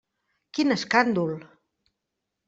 Quin escàndol!